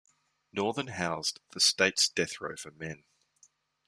Northern housed the state's death row for men.